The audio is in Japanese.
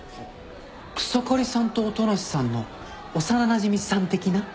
草刈さんと音無さんの幼なじみさん的な？